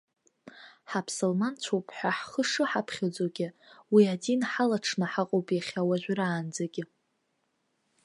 Ҳаԥсылманцәоуп ҳәа ҳхы шыҳаԥхьаӡогьы, уи адин ҳалаҽны ҳаҟоуп иахьа уажәраанӡагьы!